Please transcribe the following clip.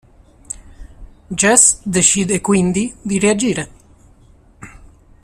Jess decide, quindi, di reagire.